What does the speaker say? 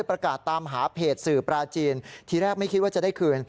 ประกาศตามหาเพจสื่อปลาจีนทีแรกไม่คิดว่าจะได้คืน